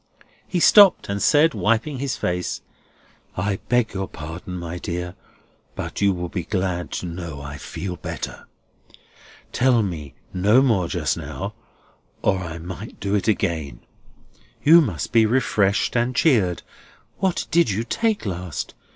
He stopped and said, wiping his face: "I beg your pardon, my dear, but you will be glad to know I feel better. Tell me no more just now, or I might do it again. You must be refreshed and cheered. What did you take last?